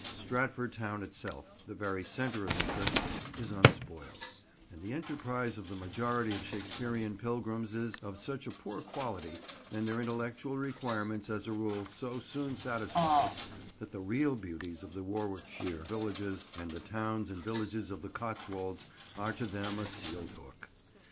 Stratford town itself, the very centre of interest, is unspoiled; and the enterprise of the majority of Shakespearean pilgrims is of such a poor quality, and their intellectual requirements as a rule so soon satisfied, that the real beauties of the Warwickshire villages and the towns and villages of the Cotswolds are to them a sealed hook.